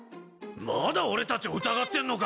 まだ俺たちを疑ってんのか？